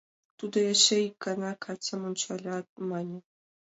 Тудо эше ик гана Катям ончалят, мане: